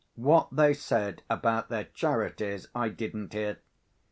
What they said about their Charities I didn't hear.